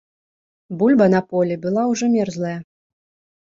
Бульба на полі была ўжо мерзлая.